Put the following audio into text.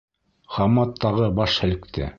Хаммат тағы баш һелкте.